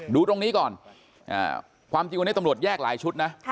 ดูตรงนี้ก่อนความจริงวันนี้ตำรวจแยกหลายชุดนะ